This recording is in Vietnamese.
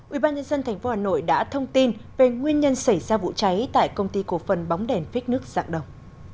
ubnd tp hà nội đã thông tin về nguyên nhân xảy ra vụ cháy tại công ty cổ phần bóng đèn phích nước dạng đồng